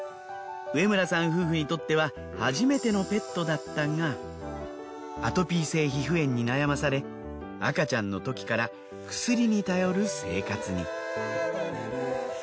植村さん夫婦にとっては初めてのペットだったがアトピー性皮膚炎に悩まされ赤ちゃんのときから薬に頼る生活に。